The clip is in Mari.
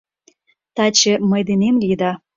Таче мый денем лийыда.